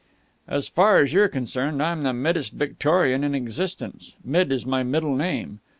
"As far as you are concerned, I'm the middest Victorian in existence. Mid is my middle name."